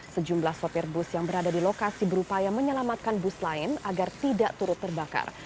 sejumlah sopir bus yang berada di lokasi berupaya menyelamatkan bus lain agar tidak turut terbakar